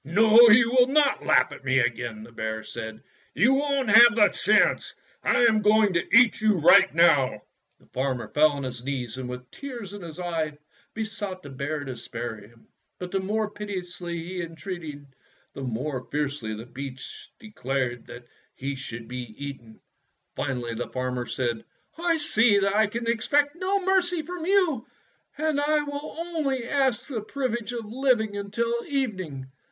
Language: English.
"No, you will not laugh at me again," the bear said. "You won't have the chance. I am going to eat you right now." The farmer fell on his knees and with tears in his eyes besought the bear to spare him. But the more piteously he entreated, the more fiercely the beast declared that he should be eaten. Fairy Tale Foxes 191 Finally the farmer said: ''I see I can ex pect no mercy from you, and I will only ask the privilege of living until evening.